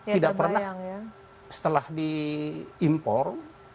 tidak pernah setelah diimpor